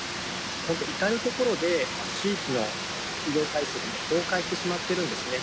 本当、至る所で地域の医療体制がもう崩壊してしまってるんですね。